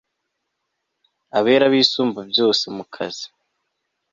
abera bisumbabyose mukazi